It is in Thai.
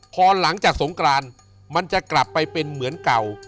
พอหลังจากสงกรานมันจะกลับไปเป็นเหมือนเก่า